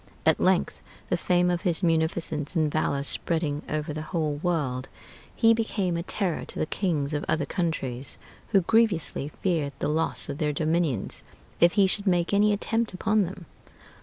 At length the fame of his munificence and valor spreading over the whole world, he became a terror to the kings of other countries, who grievously feared the loss of their dominions if he should make any attempt upon them....